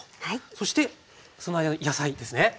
そしてその間に野菜ですね。